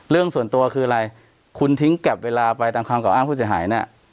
เรื่องส่วนตัวคืออะไรคุณทิ้งกลับเวลาไปตามคำกล่าอ้างผู้เสียหายเนี่ย